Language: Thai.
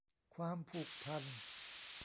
ความผูกพัน